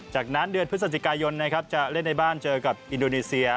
จากนั้นเดือนพฤศจิกายนนะครับจะเล่นในบ้านเจอกับอินโดนีเซีย